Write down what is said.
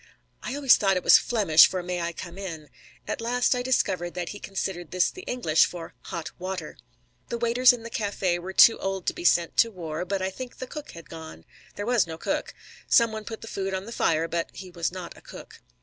I always thought it was Flemish for "May I come in?" At last I discovered that he considered this the English for "hot water." The waiters in the café were too old to be sent to war, but I think the cook had gone. There was no cook. Some one put the food on the fire, but he was not a cook.